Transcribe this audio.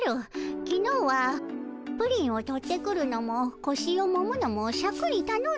きのうはプリンを取ってくるのもこしをもむのもシャクにたのんだでの。